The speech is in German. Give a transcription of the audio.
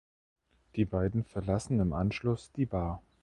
Die beiden verlassen im Anschluss die Bar.